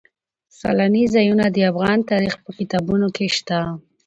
سیلاني ځایونه د افغان تاریخ په کتابونو کې شته.